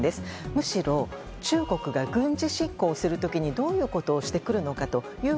むしろ中国が軍事侵攻をする時にどういうことをしてくるのか